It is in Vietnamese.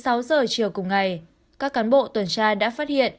vào một mươi sáu h chiều cùng ngày các cán bộ tuần tra đã phát hiện